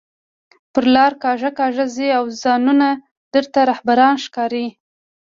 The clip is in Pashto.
پر لار کاږه کاږه ځئ او ځانونه درته رهبران ښکاري